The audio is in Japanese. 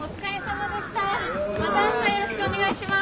また明日よろしくお願いします。